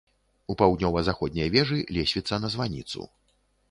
У паўднёва-заходняй вежы лесвіца на званіцу.